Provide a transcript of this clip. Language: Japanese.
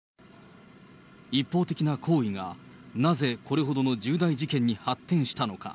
一方的な好意がなぜこれほどの重大事件に発展したのか。